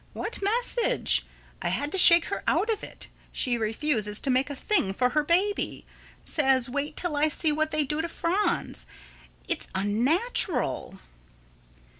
What message? I had to shake her out of it. She refuses to make a thing for her baby. Says, "Wait till I see what they do to Franz." It's unnatural.